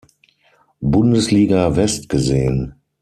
Bundesliga West gesehen.